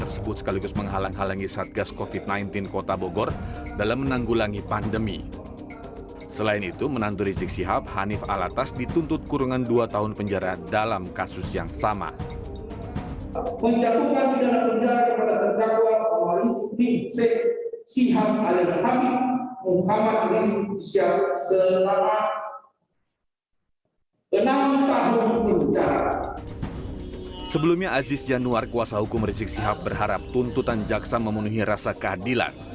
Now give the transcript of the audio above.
sebelumnya aziz januar kuasa hukum rizik sihab berharap tuntutan jaksa memenuhi rasa keadilan